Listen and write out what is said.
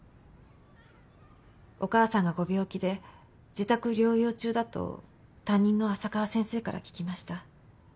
お母さんがご病気で自宅療養中だと担任の浅川先生から聞きました。